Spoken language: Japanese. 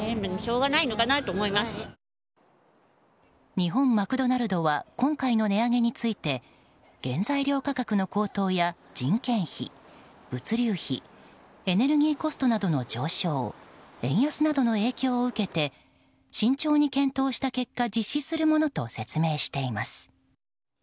日本マクドナルドは今回の値上げについて原材料価格の高騰や人件費物流費エネルギーコストなどの上昇円安などの影響を受けて慎重に検討した結果実施するものと説明しています。